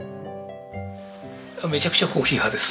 めちゃくちゃコーヒー派です。